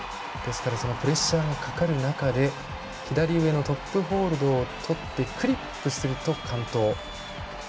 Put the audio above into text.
プレッシャーのかかる中で左上のトップホールドをクリップすると完登。